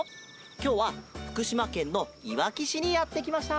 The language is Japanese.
きょうはふくしまけんのいわきしにやってきました。